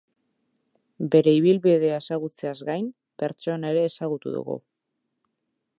Bere ibilbidea ezagutzeaz gain, pertsona ere ezagutu dugu.